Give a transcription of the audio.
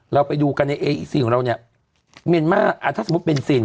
เราไปดูกันเนี้ยเออสี่ของเราเนี้ยมีมากอะถ้าสมมุติเบนซิน